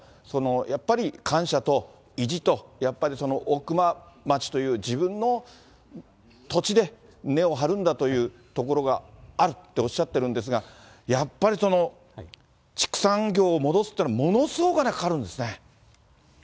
そのやっぱり感謝と意地と、やっぱりその大熊町という自分の土地で、根を張るんだというところがあるっておっしゃってるんですが、やっぱり、畜産業を戻すというのはものすごくお金かかるんですね。